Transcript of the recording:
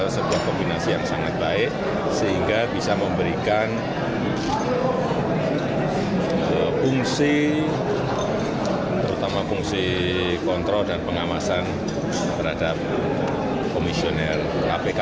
sebuah kombinasi yang sangat baik sehingga bisa memberikan fungsi terutama fungsi kontrol dan pengawasan terhadap komisioner kpk